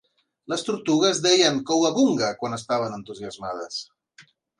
Les tortugues deien "cowabunga" quan estaven entusiasmades.